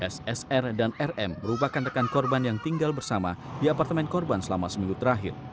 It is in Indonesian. ssr dan rm merupakan rekan korban yang tinggal bersama di apartemen korban selama seminggu terakhir